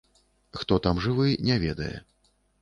Хто там жывы, не ведае.